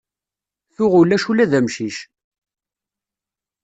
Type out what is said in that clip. Tuɣ ulac ula d amcic.